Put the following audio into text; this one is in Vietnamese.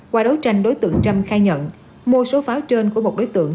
qua đấu tranh đối tượng trâm khai nhận mua số pháo trên của một đối tượng